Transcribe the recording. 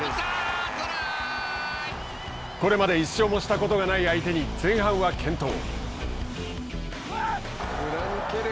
これまで１勝もしたことがない相手に前半は健闘。